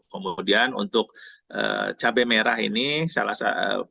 kemudian untuk cabai merah ini salah satu